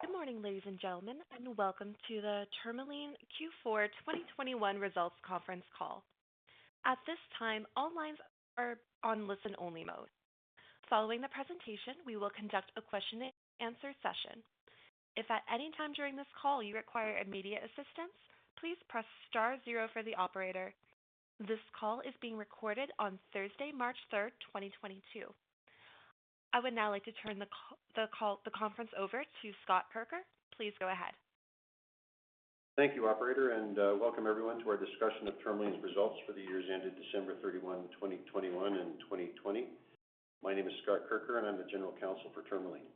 Good morning, ladies and gentlemen, and welcome to the Tourmaline Q4 2021 Results Conference Call. At this time, all lines are on listen-only mode. Following the presentation, we will conduct a question and answer session. If at any time during this call you require immediate assistance, please press star zero for the operator. This call is being recorded on Thursday, March 3, 2022. I would now like to turn the conference over to Scott Kirker. Please go ahead. Thank you, operator, and welcome everyone to our discussion of Tourmaline's results for the years ended December 31, 2021 and 2020. My name is Scott Kirker, and I'm the General Counsel for Tourmaline.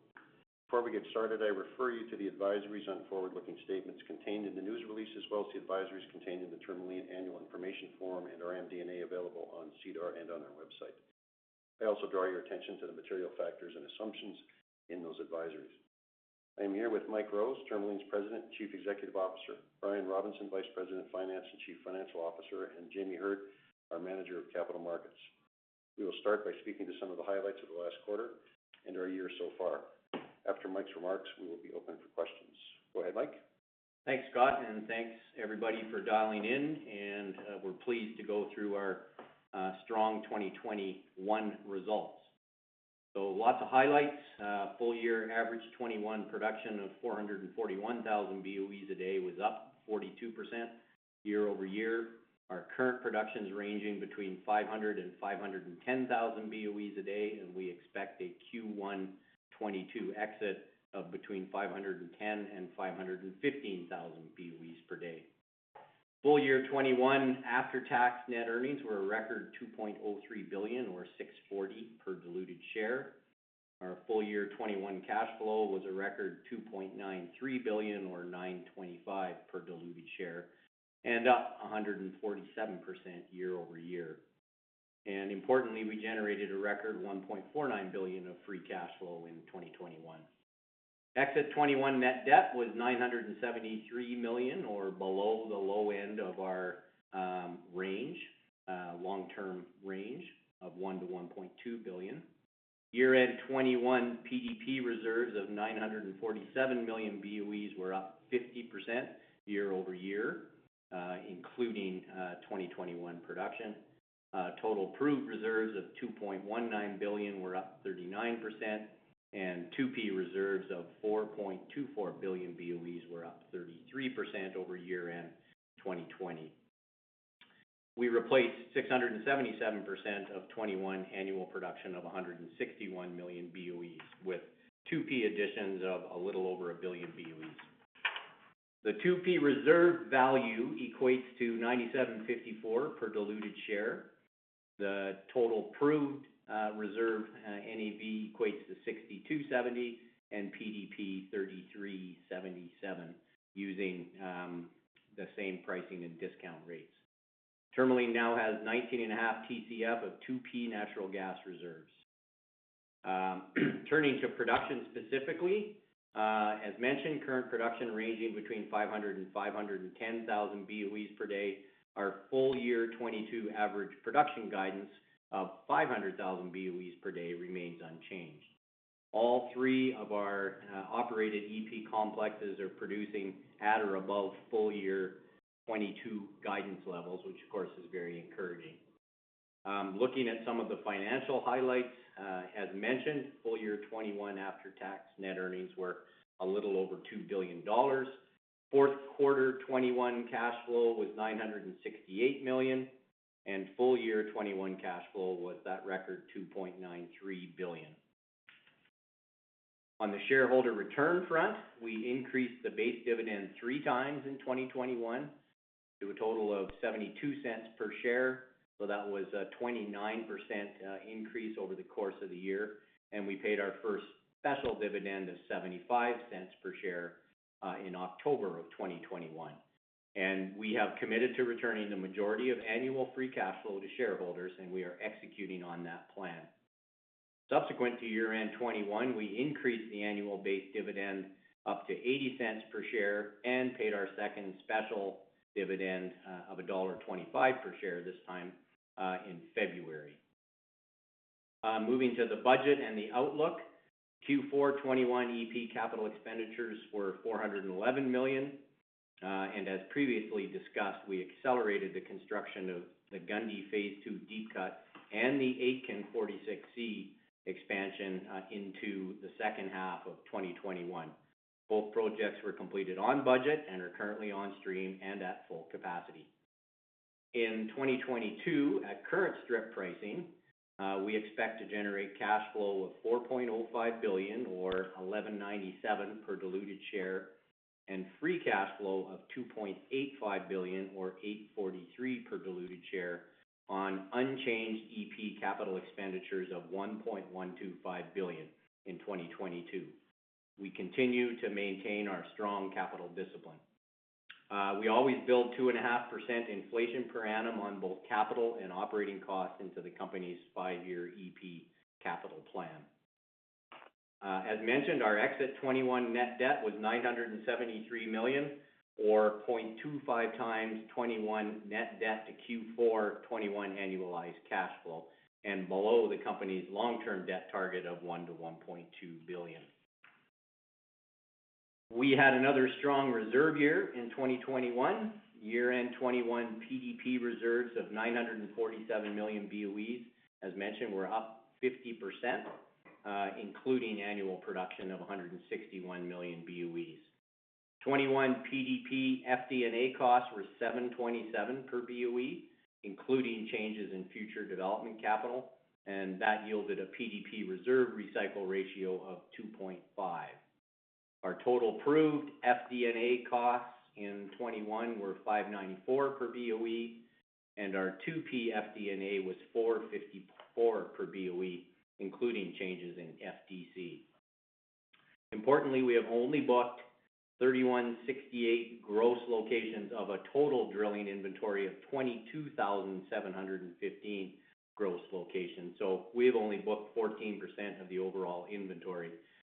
Before we get started, I refer you to the advisories on forward-looking statements contained in the news release, as well as the advisories contained in the Tourmaline Annual Information Form and our MD&A available on SEDAR and on our website. I also draw your attention to the material factors and assumptions in those advisories. I'm here with Mike Rose, Tourmaline's President and Chief Executive Officer, Brian Robinson, Vice President of Finance and Chief Financial Officer, and Jamie Heard, our Manager of Capital Markets. We will start by speaking to some of the highlights of the last quarter and our year so far. After Mike's remarks, we will be open for questions. Go ahead, Mike. Thanks, Scott, and thanks everybody for dialing in, and we're pleased to go through our strong 2021 results. Lots of highlights. Full-year average 2021 production of 441,000 BOEs a day was up 42% year-over-year. Our current production is ranging between 500 and 510 thousand BOEs a day, and we expect a Q1 2022 exit of between 510 and 515 thousand BOEs per day. Full-year 2021 after-tax net earnings were a record 2.03 billion, or 6.40 per diluted share. Our full-year 2021 cash flow was a record 2.93 billion or 9.25 per diluted share and up 147% year-over-year. Importantly, we generated a record 1.49 billion of free cash flow in 2021. Exit 2021 net debt was 973 million or below the low end of our range, long-term range of 1 billion-1.2 billion. Year-end 2021 PDP reserves of 947 million BOEs were up 50% year-over-year, including 2021 production. Total proved reserves of 2.19 billion were up 39%, and 2P reserves of 4.24 billion BOEs were up 33% over year-end 2020. We replaced 677% of 2021 annual production of 161 million BOEs with 2P additions of a little over a billion BOEs. The 2P reserve value equates to 97.54 per diluted share. The total proved reserve NAV equates to 62.70, and PDP 33.77 using the same pricing and discount rates. Tourmaline now has 19.5 TCF of 2P natural gas reserves. Turning to production specifically, as mentioned, current production ranging between 500 and 510 thousand BOEs per day. Our full-year 2022 average production guidance of 500,000 BOEs per day remains unchanged. All three of our operated EP complexes are producing at or above full-year 2022 guidance levels, which of course is very encouraging. Looking at some of the financial highlights, as mentioned, full-year 2021 after-tax net earnings were a little over 2 billion dollars. Fourth-quarter 2021 cash flow was 968 million, and full-year 2021 cash flow was that record 2.93 billion. On the shareholder return front, we increased the base dividend three times in 2021 to a total of 0.72 per share. That was a 29% increase over the course of the year, and we paid our first special dividend of 0.75 per share in October of 2021. We have committed to returning the majority of annual free cash flow to shareholders, and we are executing on that plan. Subsequent to year-end 2021, we increased the annual base dividend up to 0.80 per share and paid our second special dividend of dollar 1.25 per share this time in February. Moving to the budget and the outlook. Q4 2021 EP capital expenditures were 411 million, and as previously discussed, we accelerated the construction of the Gundy Phase Two deep cut and the Aitken 46C expansion into the second half of 2021. Both projects were completed on budget and are currently on stream and at full capacity. In 2022, at current strip pricing, we expect to generate cash flow of 4.05 billion or 11.97 per diluted share and free cash flow of 2.85 billion or 8.43 per diluted share on unchanged EP capital expenditures of 1.125 billion in 2022. We continue to maintain our strong capital discipline. We always build 2.5% inflation per annum on both capital and operating costs into the company's five-year EP capital plan. As mentioned, our exit 2021 net debt was 973 million, or 0.25 times 2021 net debt to Q4 2021 annualized cash flow and below the company's long-term net target of 1 billion-1.2 billion. We had another strong reserve year in 2021. Year-end 2021 PDP reserves of 947 million BOEs, as mentioned, were up 50%, including annual production of 161 million BOEs. 2021 PDP FD&A costs were 727 per BOE, including changes in future development capital, and that yielded a PDP reserve recycle ratio of 2.5. Our total proved FD&A costs in 2021 were 594 per BOE, and our 2P FD&A was 454 per BOE, including changes in FDC. Importantly, we have only booked 3,168 gross locations of a total drilling inventory of 22,715 gross locations. We have only booked 14% of the overall inventory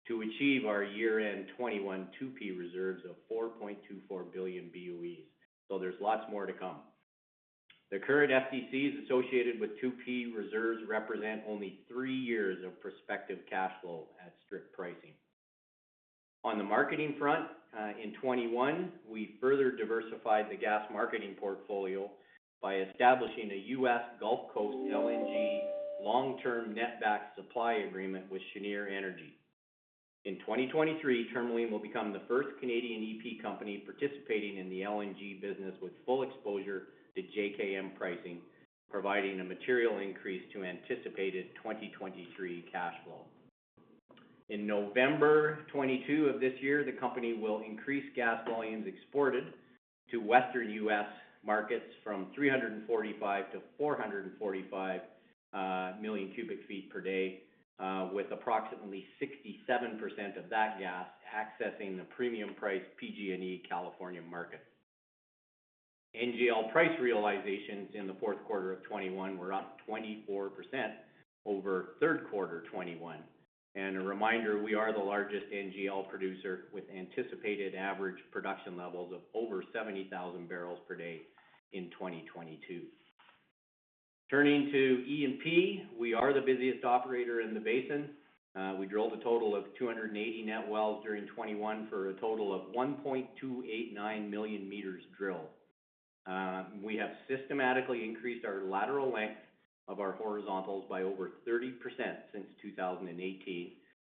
to achieve our year-end 2021 2P reserves of 4.24 billion BOEs. There's lots more to come. The current FDCs associated with 2P reserves represent only three years of prospective cash flow at strip pricing. On the marketing front, in 2021, we further diversified the gas marketing portfolio by establishing a U.S. Gulf Coast LNG long-term net-back supply agreement with Cheniere Energy. In 2023, Tourmaline will become the first Canadian E&P company participating in the LNG business with full exposure to JKM pricing, providing a material increase to anticipated 2023 cash flow. In November 2022 of this year, the company will increase gas volumes exported to Western U.S. markets from 345 to 445 million cubic feet per day with approximately 67% of that gas accessing the premium price PG&E California market. NGL price realizations in the fourth quarter of 2021 were up 24% over third quarter 2021. A reminder, we are the largest NGL producer with anticipated average production levels of over 70,000 barrels per day in 2022. Turning to E&P, we are the busiest operator in the basin. We drilled a total of 280 net wells during 2021 for a total of 1.289 million meters drilled. We have systematically increased our lateral length of our horizontals by over 30% since 2018,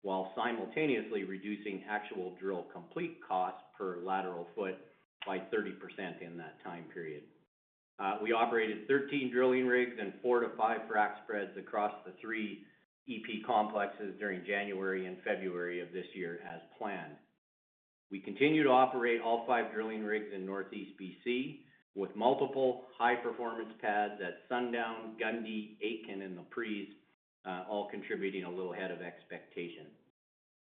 while simultaneously reducing actual drill and complete cost per lateral foot by 30% in that time period. We operated 13 drilling rigs and 4-5 frac spreads across the three E&P complexes during January and February of this year as planned. We continue to operate all 5 drilling rigs in Northeast B.C. with multiple high-performance pads at Sundown, Gundy, Aitken, and the Laprise, all contributing a little ahead of expectation.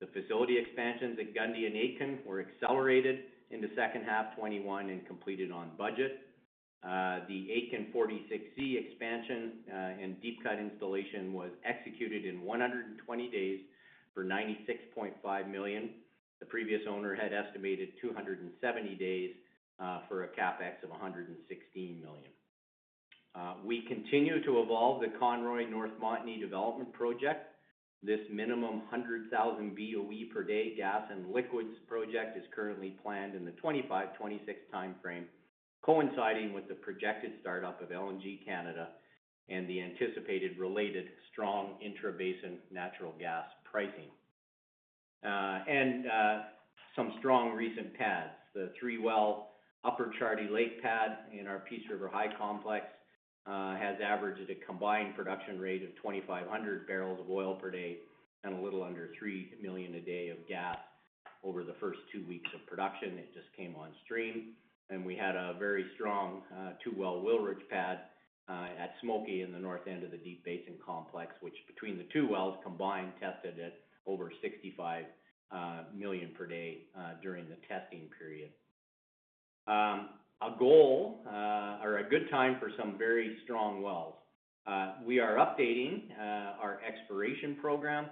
The facility expansions at Gundy and Aitken were accelerated in the second half 2021 and completed on budget. The Aitken 46C expansion and deep cut installation was executed in 120 days for 96.5 million. The previous owner had estimated 270 days for a CapEx of 116 million. We continue to evolve the Conroy North Montney development project. This minimum 100,000 BOE per day gas and liquids project is currently planned in the 2025, 2026 timeframe, coinciding with the projected start-up of LNG Canada and the anticipated related strong intra-basin natural gas pricing. Some strong recent pads. The 3-well Upper Charlie Lake pad in our Peace River High complex has averaged a combined production rate of 2,500 barrels of oil per day and a little under 3 million a day of gas over the first two weeks of production. It just came on stream. We had a very strong two-well Wilrich pad at Smoky in the north end of the Deep Basin Complex, which between the two wells combined, tested at over 65 million per day during the testing period. All told, we had some very strong wells. We are updating our exploration program.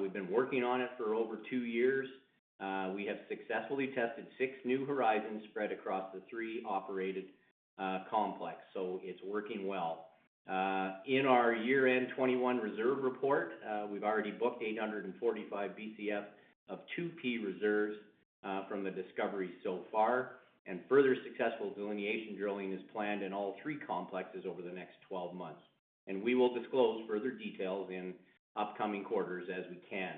We've been working on it for over two years. We have successfully tested six new horizons spread across the three operated complexes, so it's working well. In our year-end 2021 reserve report, we've already booked 845 BCF of 2P reserves from the discovery so far, and further successful delineation drilling is planned in all three complexes over the next 12 months. We will disclose further details in upcoming quarters as we can.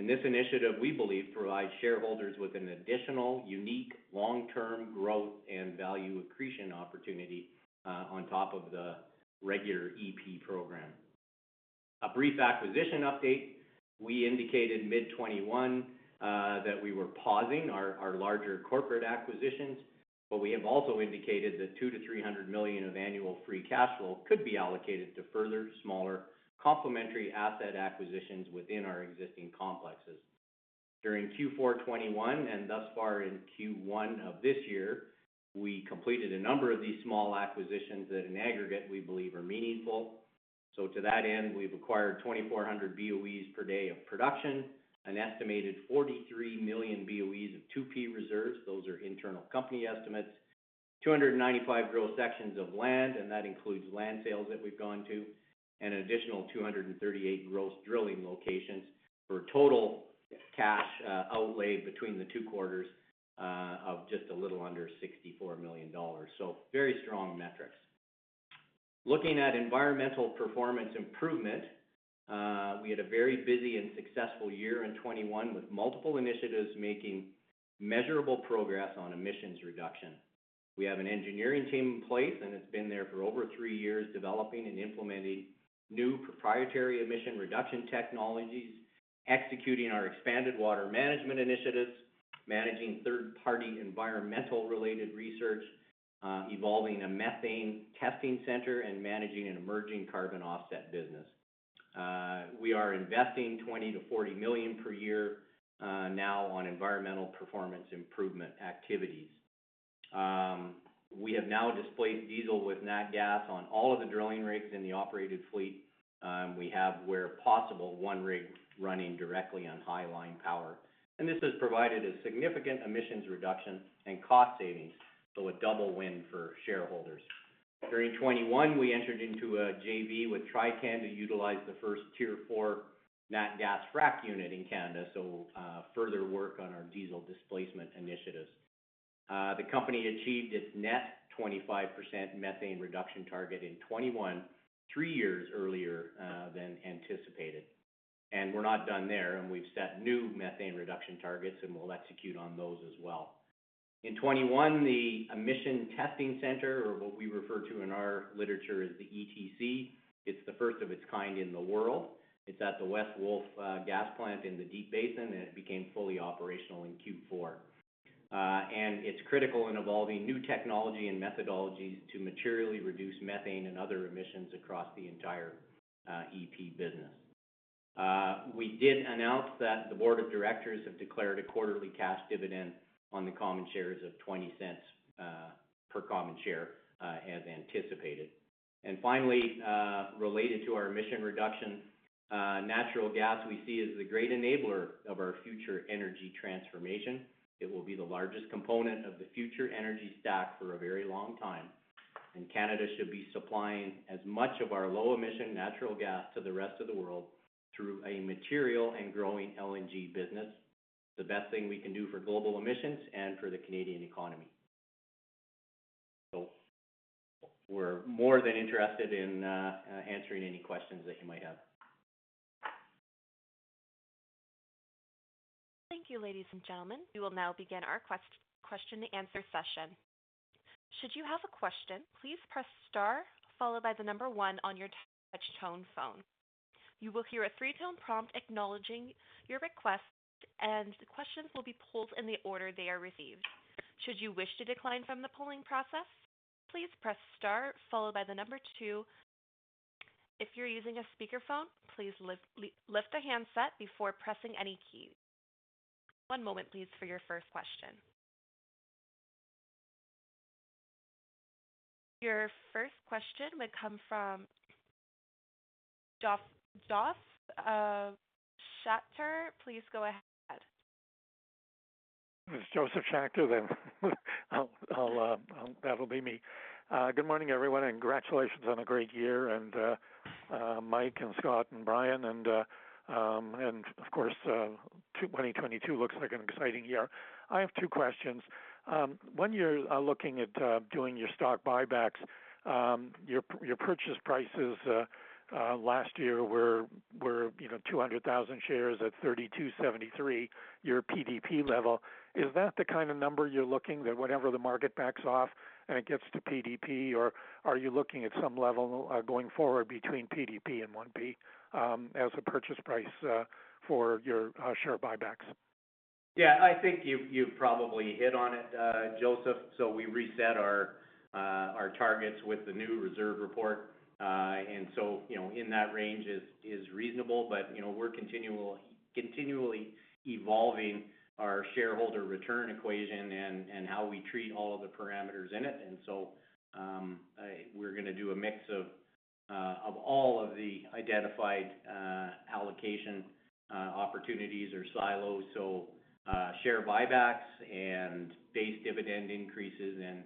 This initiative, we believe, provides shareholders with an additional, unique, long-term growth and value accretion opportunity on top of the regular E&P program. A brief acquisition update. We indicated mid-2021 that we were pausing our larger corporate acquisitions, but we have also indicated that 200-300 million of annual free cash flow could be allocated to further, smaller, complementary asset acquisitions within our existing complexes. During Q4 2021 and thus far in Q1 of this year, we completed a number of these small acquisitions that in aggregate we believe are meaningful. To that end, we've acquired 2,400 BOE per day of production, an estimated 43 million BOE of 2P reserves. Those are internal company estimates. 295 gross sections of land, and that includes land sales that we've gone to, and an additional 238 gross drilling locations for total cash outlay between the two quarters of just a little under 64 million dollars. Very strong metrics. Looking at environmental performance improvement, we had a very busy and successful year in 2021, with multiple initiatives making measurable progress on emissions reduction. We have an engineering team in place, and it's been there for over three years, developing and implementing new proprietary emission reduction technologies, executing our expanded water management initiatives, managing third-party environmental related research, evolving a methane testing center, and managing an emerging carbon offset business. We are investing 20 million-40 million per year now on environmental performance improvement activities. We have now displaced diesel with nat gas on all of the drilling rigs in the operated fleet. We have, where possible, one rig running directly on high line power. This has provided a significant emissions reduction and cost savings, so a double win for shareholders. During 2021, we entered into a JV with Trican to utilize the first tier four nat gas frack unit in Canada, so further work on our diesel displacement initiatives. The company achieved its net 25% methane reduction target in 2021, three years earlier than anticipated. We're not done there, and we've set new methane reduction targets, and we'll execute on those as well. In 2021, the Emission Testing Center, or what we refer to in our literature as the ETC, it's the first of its kind in the world. It's at the West Wolf gas plant in the Deep Basin, and it became fully operational in Q4. It's critical in evolving new technology and methodologies to materially reduce methane and other emissions across the entire E&P business. We did announce that the board of directors have declared a quarterly cash dividend on the common shares of 0.20 per common share, as anticipated. Finally, related to our emission reduction, natural gas, we see as the great enabler of our future energy transformation. It will be the largest component of the future energy stack for a very long time. Canada should be supplying as much of our low emission natural gas to the rest of the world through a material and growing LNG business, the best thing we can do for global emissions and for the Canadian economy. We're more than interested in answering any questions that you might have. Thank you, ladies and gentlemen. We will now begin our question and answer session. Should you have a question, please press star followed by the number 1 on your touch tone phone. You will hear a 3-tone prompt acknowledging your request, and the questions will be pulled in the order they are received. Should you wish to decline from the polling process, please press star followed by the number 2. If you're using a speakerphone, please lift the handset before pressing any keys. One moment please for your first question. Your first question would come from Josef Schachter. Please go ahead. This is Josef Schachter then. I'll, that'll be me. Good morning, everyone, and congratulations on a great year. Mike and Scott and Brian, and of course, 2022 looks like an exciting year. I have two questions. When you're looking at doing your stock buybacks, your purchase prices last year were, you know, 200,000 shares at 32.73, your PDP level. Is that the kind of number you're looking, that whenever the market backs off and it gets to PDP? Or are you looking at some level going forward between PDP and 1P as a purchase price for your share buybacks? Yeah. I think you've probably hit on it, Josef. We reset our targets with the new reserve report. You know, in that range is reasonable, but you know, we're continually evolving our shareholder return equation and how we treat all of the parameters in it. We're gonna do a mix of all of the identified allocation opportunities or silos. Share buybacks, base dividend increases, and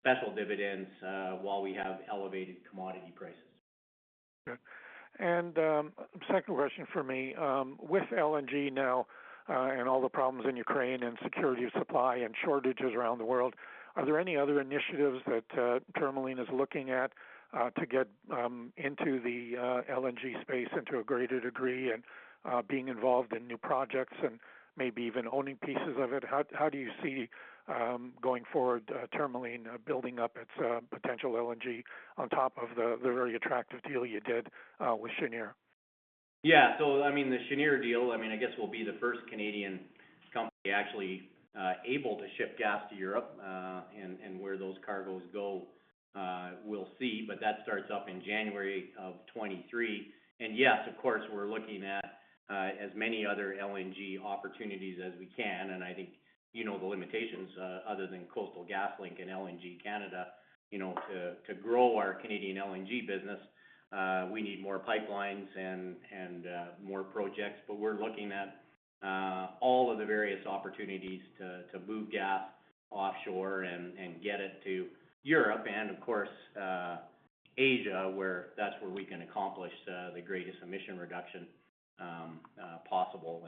special dividends while we have elevated commodity prices. Okay. Second question from me. With LNG now and all the problems in Ukraine and security of supply and shortages around the world, are there any other initiatives that Tourmaline is looking at to get into the LNG space and to a greater degree, and being involved in new projects and maybe even owning pieces of it? How do you see going forward Tourmaline building up its potential LNG on top of the very attractive deal you did with Cheniere? Yeah. I mean, the Cheniere deal, I mean, I guess we'll be the first Canadian company actually able to ship gas to Europe. Where those cargoes go, we'll see. That starts up in January 2023. Yes, of course, we're looking at as many other LNG opportunities as we can. I think you know the limitations other than Coastal GasLink and LNG Canada, you know, to grow our Canadian LNG business, we need more pipelines and more projects. We're looking at all of the various opportunities to move gas offshore and get it to Europe and of course, Asia, where we can accomplish the greatest emission reduction possible.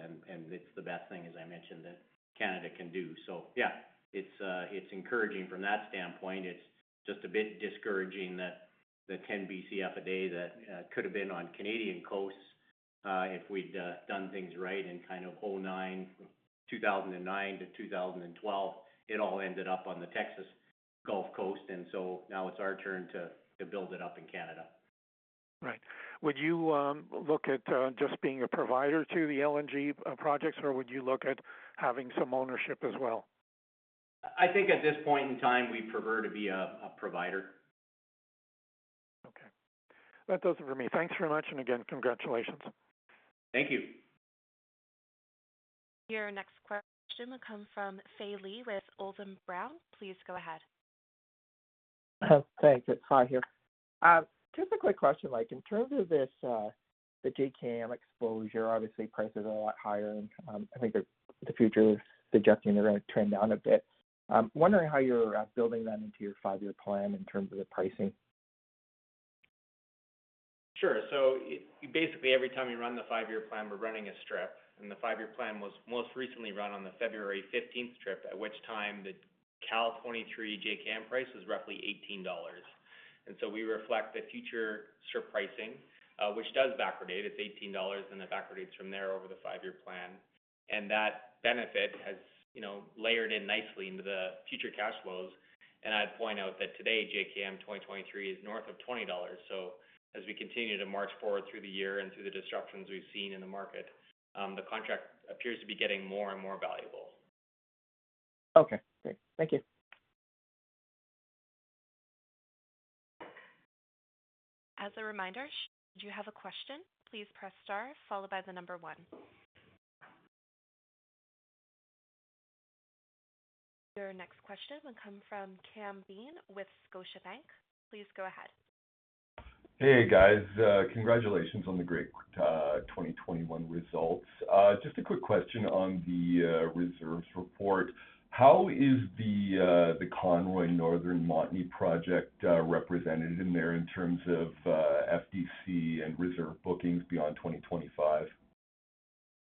It's the best thing, as I mentioned, that Canada can do. Yeah, it's encouraging from that standpoint. It's just a bit discouraging that the 10 BCF a day that could have been on Canadian coasts, if we'd done things right in kind of 2009 to 2012, it all ended up on the Texas Gulf Coast. Now it's our turn to build it up in Canada. Right. Would you look at just being a provider to the LNG projects, or would you look at having some ownership as well? I think at this point in time, we prefer to be a provider. Okay. That does it for me. Thanks very much, and again, congratulations. Thank you. Your next question will come from Fai Lee with Odlum Brown. Please go ahead. Thanks. It's Fai Lee here. Just a quick question. Like in terms of this, the JKM exposure, obviously price is a lot higher and, I think the future is suggesting they're gonna trend down a bit. Wondering how you're building that into your five-year plan in terms of the pricing. Sure. Basically, every time you run the five-year plan, we're running a strip. The five-year plan was most recently run on the February fifteenth strip, at which time the Cal 2023 JKM price was roughly $18. We reflect the future strip pricing, which does backdate. It's $18, and it backdates from there over the five-year plan. That benefit has, you know, layered in nicely into the future cash flows. I'd point out that today, JKM 2023 is north of $20. As we continue to march forward through the year and through the disruptions we've seen in the market, the contract appears to be getting more and more valuable. Okay, great. Thank you. As a reminder, should you have a question, please press star followed by the number 1. Your next question will come from Cam Bean with Scotiabank. Please go ahead. Hey, guys. Congratulations on the great 2021 results. Just a quick question on the reserves report. How is the Conroy Northern Montney project represented in there in terms of FDC and reserve bookings beyond 2025?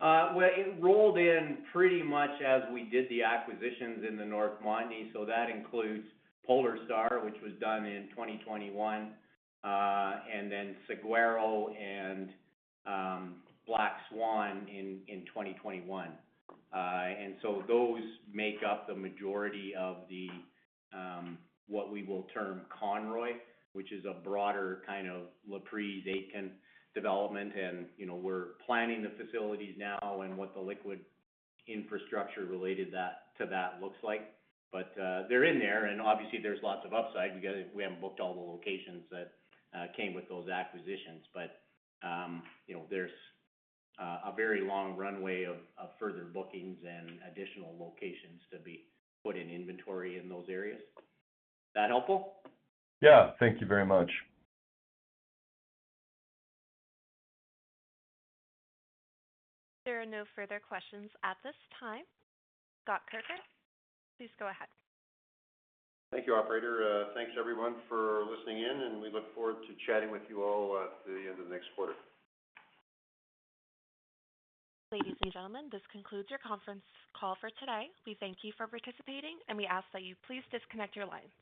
Well, it rolled in pretty much as we did the acquisitions in the North Montney, so that includes Polar Star, which was done in 2021, and then Saguaro and Black Swan in 2021. Those make up the majority of what we will term Conroy, which is a broader kind of Laprise-Aitken development. You know, we're planning the facilities now and what the liquid infrastructure related to that looks like. They're in there, and obviously there's lots of upside. We haven't booked all the locations that came with those acquisitions, but you know, there's a very long runway of further bookings and additional locations to be put in inventory in those areas. That helpful? Yeah. Thank you very much. There are no further questions at this time. Scott Kirker, please go ahead. Thank you, operator. Thanks everyone for listening in, and we look forward to chatting with you all at the end of next quarter. Ladies and gentlemen, this concludes your conference call for today. We thank you for participating and we ask that you please disconnect your line.